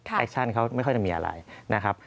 แคคชั่นเขาไม่ค่อยจะมีอะไรนะครับ